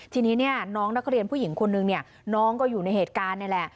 ทีนี้เนี่ยน้องนักเรียนผู้หญิงคนนึงเนี่ยน้องก็อยู่ในเหตุการณ์นี่แหละ